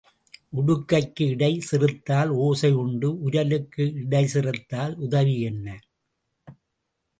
உடுக்கைக்கு இடை சிறுத்தால் ஓசை உண்டு உரலுக்கு இடை சிறுத்தால் உதவி என்ன?